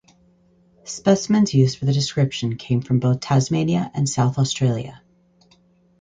Specimens used for the description came from both Tasmania and South Australia.